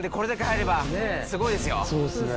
そうですね。